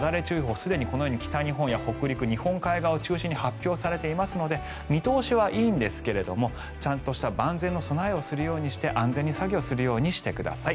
すでに北日本、北陸の日本海側を中心に発表されていますので見通しはいいんですがちゃんとした万全の備えをするようにして安全に作業するようにしてください。